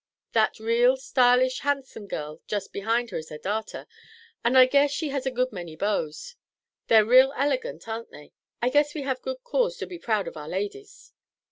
That real stylish handsome girl just behind is her darter, and I guess she has a good many beaux. They're real elegant, ar'n't they? I guess we have good cause to be proud of our ladies."